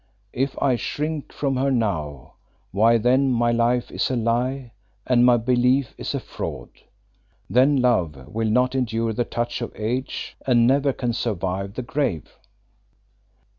If I shrink from her now, why then my life is a lie and my belief a fraud; then love will not endure the touch of age and never can survive the grave.